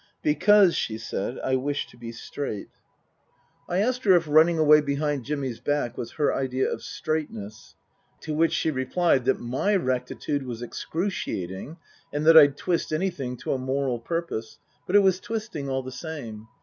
" Because," she said, " I wish to be straight." 16* 244 Tasker Jevons I asked her if running away behind Jimmy's back was her idea of straightness ? To which she replied that my rectitude was excruciating and that I'd twist anything to a moral purpose, but it was twisting all the same.